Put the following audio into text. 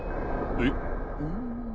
えっ。